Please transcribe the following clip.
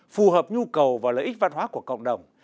phù hợp nhu cầu và lợi ích văn hóa của cộng đồng